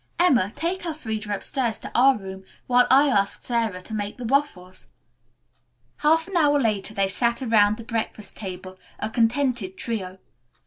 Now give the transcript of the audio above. "Emma take Elfreda upstairs to our room, while I ask Sarah to make the waffles." Half an hour later they sat around the breakfast table, a contented trio.